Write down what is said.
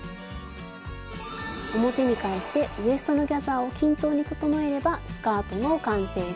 表に返してウエストのギャザーを均等に整えればスカートの完成です。